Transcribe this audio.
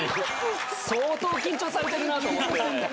相当緊張されてるなと思って。